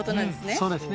そうですね